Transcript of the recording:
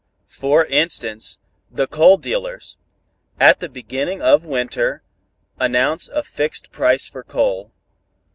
"For instance, the coal dealers, at the beginning of winter, announce a fixed price for coal.